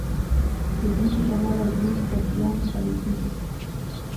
د ځمکې شمال او جنوب قطبین بلل کېږي.